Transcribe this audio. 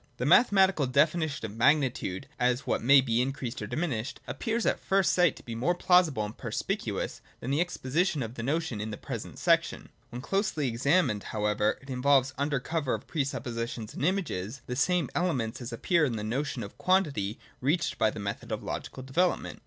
The mathematical definition of magnitude as what may be increased or diminished, appears at first sight to be more 1 86 THE DOCTRINE OF BEING. [99 plausible and perspicuous than the exposition of the notion in the present section. When closely examined, however, it involves, under cover of pre suppositions and images, the same elements as appear in the notion of quantity reached by the method of logical development.